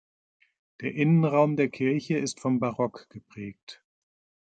Der Innenraum der Kirche ist vom Barock geprägt.